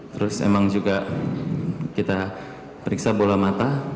terus emang juga kita periksa bola mata